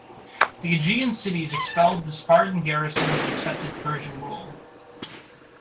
The Aegean cities expelled the Spartan garrisons and accepted Persian rule.